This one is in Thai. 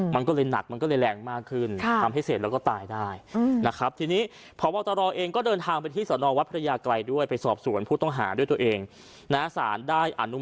มันก็เลยหนักมันก็เลยแรงมากขึ้น